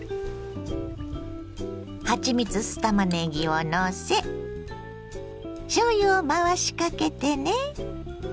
はちみつ酢たまねぎをのせしょうゆを回しかけてね。